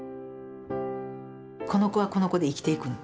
この子はこの子で生きていくの。